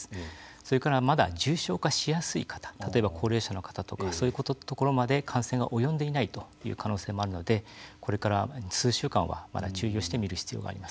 それから、まだ重症化しやすい方例えば高齢者の方とかそういうところまで感染が及んでいないという可能性もあるのでこれから数週間はまだ注意をして見る必要があります。